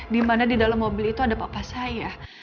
di mana di dalam mobil itu ada papa saya